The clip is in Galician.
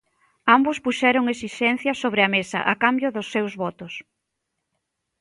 Ambos puxeron esixencias sobre a mesa a cambio dos seus votos.